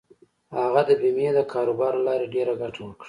هغه د بېمې د کاروبار له لارې ډېره ګټه وکړه.